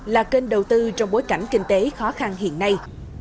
là kênh đầu tư trong bối cảnh kinh tế khó khăn hiện nay